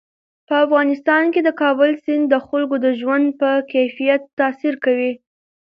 په افغانستان کې د کابل سیند د خلکو د ژوند په کیفیت تاثیر کوي.